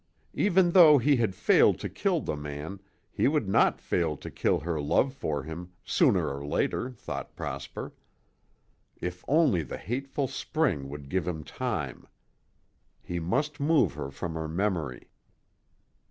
Even though he had failed to kill the man, he would not fail to kill her love for him, sooner or later, thought Prosper. If only the hateful spring would give him time. He must move her from her memory.